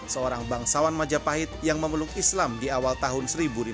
seorang bangsawan majapahit yang memeluk islam di awal tahun seribu lima ratus